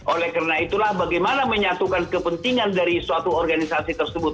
oleh karena itulah bagaimana menyatukan kepentingan dari suatu organisasi tersebut